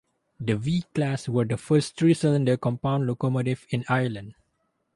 The V class were the first three-cylinder compound locomotives in Ireland.